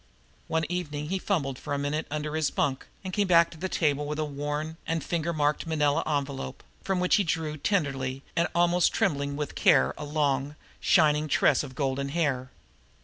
One evening he fumbled for a minute under his bunk and came back to the table with a worn and finger marked manila envelope, from which he drew tenderly and with almost trembling care a long, shining tress of golden hair.